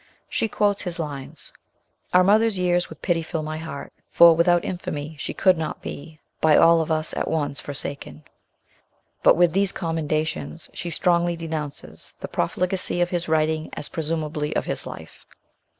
She quotes his lines Our mother's years with pity fill my heart, For without infamy she could not be By all of us at once forsaken. But with these commendations she strongly denounces the profligacy of his writing as presumably of his life.